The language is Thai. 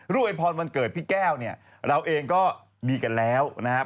อวยพรวันเกิดพี่แก้วเนี่ยเราเองก็ดีกันแล้วนะครับ